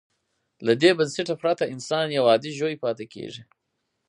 له دې بنسټه پرته انسان یو عادي ژوی پاتې کېږي.